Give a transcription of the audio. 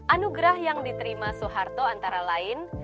anugerah yang diterima soeharto antara lain